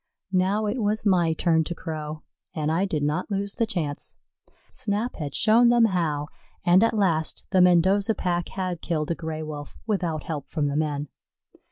Now it was my turn to crow, and I did not lose the chance. Snap had shown them how, and at last the Mendoza pack had killed a Gray wolf without help from the men.